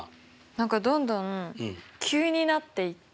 何かどんどん急になっていった。